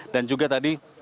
dan juga tadi